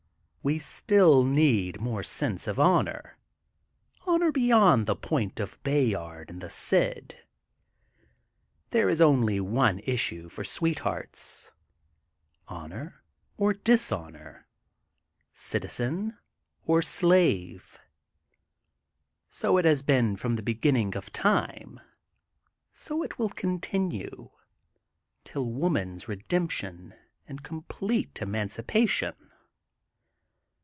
We still need more sense of honor, honor beyond the point of Bayard and the Cid. ^* There is only one issue for sweethearts :— honor or dishonor, citizen or slave. So it has been from the beginning of time, so it will continue till woman's redemption and com plete emancipation.